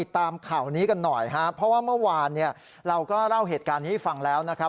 ตามข่าวนี้กันหน่อยครับเพราะว่าเมื่อวานเราก็เล่าเหตุการณ์นี้ให้ฟังแล้ว